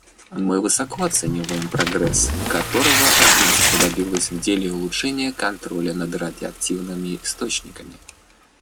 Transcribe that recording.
Мы высоко оцениваем прогресс, которого Агентство добилось в деле улучшения контроля над радиоактивными источниками.